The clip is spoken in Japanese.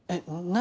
何？